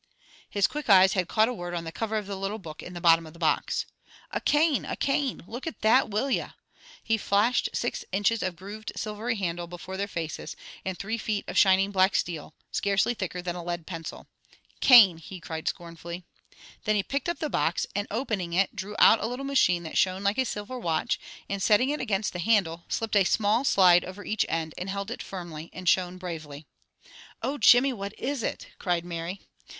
His quick eyes had caught a word on the cover of the little book in the bottom of the box. "A cane! A cane! Look at that, will ye?" He flashed six inches of grooved silvery handle before their faces, and three feet of shining black steel, scarcely thicker than a lead pencil. "Cane!" he cried scornfully. Then he picked up the box, and opening it drew out a little machine that shone like a silver watch, and setting it against the handle, slipped a small slide over each end, and it held firmly, and shone bravely. "Oh, Jimmy, what is it?" cried Mary.